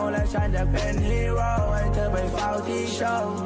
และฉันอยากเป็นฮีโร่ให้เธอไปเฝ้าที่โชว์